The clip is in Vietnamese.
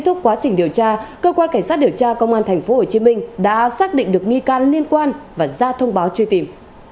trong quá trình điều tra cơ quan cảnh sát điều tra công an tp hcm đã xác định được nghi can liên quan và ra thông báo truy tìm